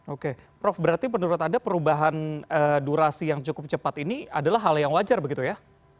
oke prof berarti menurut anda perubahan durasi yang cukup cepat ini adalah hal yang wajar begitu ya